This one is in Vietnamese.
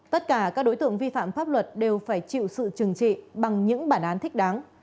tất cả các đối tượng vi phạm pháp luật đều phải chịu sự trừng trị bằng những bản án thích đáng